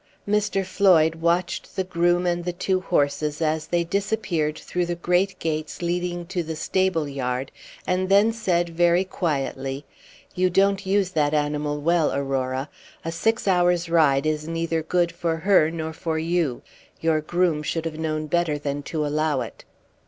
Mr. Floyd watched the groom and the two horses as they disappeared through the great gates leading to the stable yard, and then said very quietly, "You don't use that animal well, Aurora. A six hours ride is neither good for her nor for you. Your groom should have known better than to allow it."